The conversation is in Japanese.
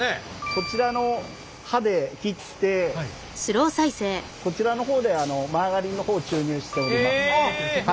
こちらの刃で切ってこちらの方でマーガリンの方注入しております。